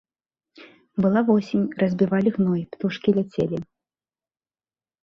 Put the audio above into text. Была восень, разбівалі гной, птушкі ляцелі.